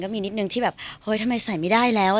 ก็มีนิดนึงที่ทำไมใส่ไม่ได้แล้ว